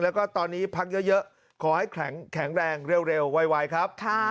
แล้วก็ตอนนี้พักเยอะขอให้แข็งแรงเร็วไวครับ